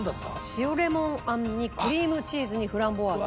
塩レモンあんにクリームチーズにフランボワーズ。